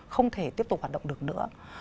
không thể tiếp tục hoạt động được nữa